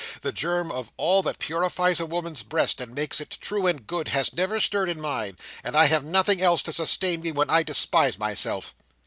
The germ of all that purifies a woman's breast, and makes it true and good, has never stirred in mine, and I have nothing else to sustain me when I despise myself."